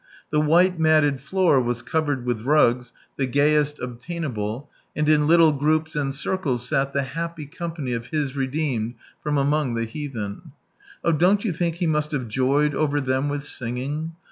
The white matted floor was covered with rugs, the gayest obtainable, and in little groups and circles sat the happy company of His redeemed from among the heathen. Oh, don't you think He must have joyed over them with singing